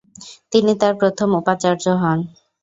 তিনি তার প্রথম উপাচার্য হন।